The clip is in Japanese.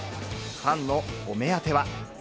ファンのお目当ては。